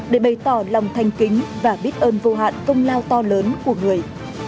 để bày tỏ lòng thanh kính và biết ơn vô hạn công lao to lớn của người